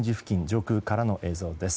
上空からの映像です。